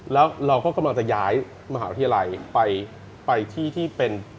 แล้วเราก็กำลังจะย้ายมหาวิทยาลัยไปที่ที่เป็น